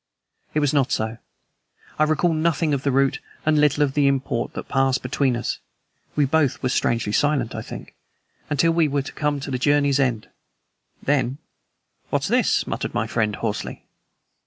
It was not so. I recall nothing of the route and little of import that passed between us (we both were strangely silent, I think) until we were come to our journey's end. Then: "What's this?" muttered my friend hoarsely.